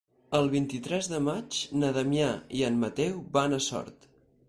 El vint-i-tres de maig na Damià i en Mateu van a Sort.